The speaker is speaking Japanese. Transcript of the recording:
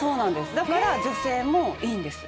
だから女性もいいんです。